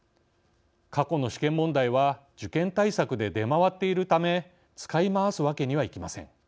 過去の試験問題は受験対策で出回っているため使いまわすわけにはいきません。